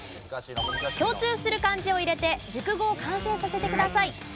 共通する漢字を入れて熟語を完成させてください。